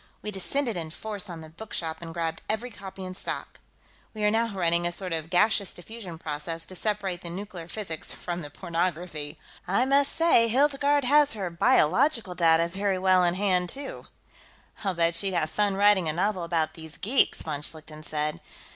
We descended in force on the bookshop and grabbed every copy in stock. We are now running a sort of gaseous diffusion process, to separate the nuclear physics from the pornography. I must say, Hildegarde has her biological data very well in hand, too." "I'll bet she'd have fun writing a novel about these geeks," von Schlichten said.